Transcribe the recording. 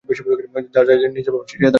যার যা নিজের ভাব, সে তা করুক।